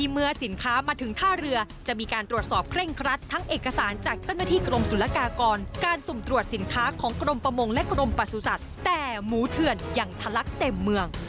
มูเทือนยังทะลักเต็มเมือง